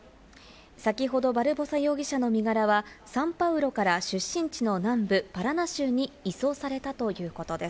先ほどバルボサ容疑者の身柄はサンパウロから出身地の南部パラナ州に移送されたということです。